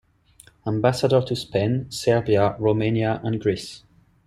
Ambassador to Spain, Serbia, Romania and Greece.